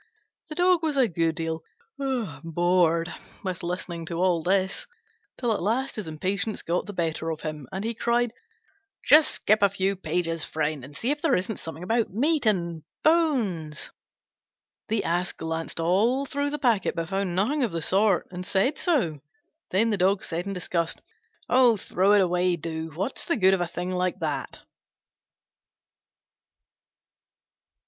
The Dog was a good deal bored with listening to all this, till at last his impatience got the better of him, and he cried, "Just skip a few pages, friend, and see if there isn't something about meat and bones." The Ass glanced all through the packet, but found nothing of the sort, and said so. Then the Dog said in disgust, "Oh, throw it away, do: what's the good of a thing like that?"